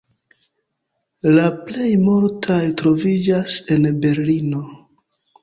La plej multaj troviĝas en Berlino.